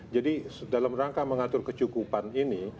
jadi dalam rangka mengatur kecukupan ini